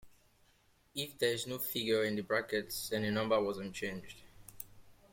If there is no figure in brackets then the number was unchanged.